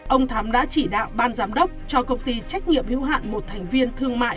ông thắm đã chỉ đạo ban giám đốc cho công ty trách nhiệm hữu hạn một thành viên thương mại